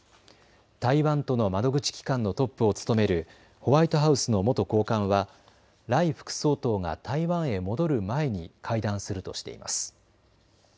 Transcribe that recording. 台湾との窓口機関のトップを務めるホワイトハウスの元高官は頼副総統が台湾へ戻る前に会談するとしています。